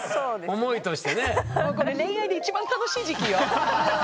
もうこれ恋愛で一番楽しい時期よ？